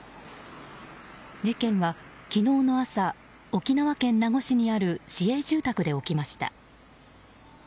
事件は昨日の朝沖縄県名護市にある市営住宅で起きました。